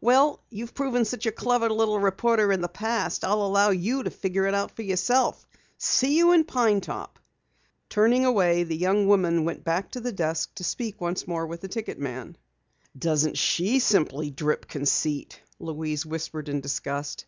Well, you've proven such a clever little reporter in the past, I'll allow you to figure it out for yourself. See you in Pine Top." Turning away, the young woman went back to the desk to speak once more with the ticket man. "Doesn't she simply drip conceit!" Louise whispered in disgust.